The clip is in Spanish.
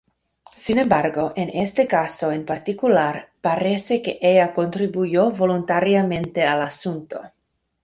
Sin embargo, en este caso en particular parece que ella contribuyó voluntariamente al asunto.